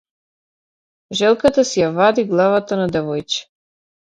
Желката си ја вади главата на девојче.